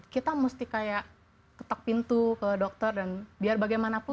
kita mesti kayak ketok pintu ke dokter dan biar bagaimanapun